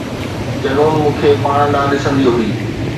جنون مون کي پاڻ ڏانهن ڏسندي هئي